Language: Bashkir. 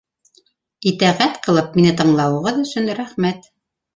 Итәғәт ҡылып, мине тыңлауығыҙ өсөн рәхмәт!